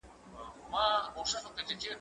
زه به اوږده موده چپنه پاک کړې وم